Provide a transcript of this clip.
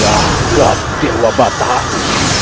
ya rakyat dewa batak